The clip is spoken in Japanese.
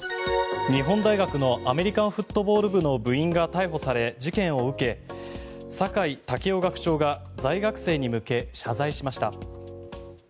日本大学のアメリカンフットボール部の部員が逮捕された事件を受け酒井健夫学長が在学生に向け謝罪しました。